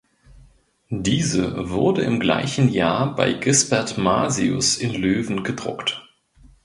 Diese wurde im gleichen Jahr bei Gisbert Masius in Löwen gedruckt.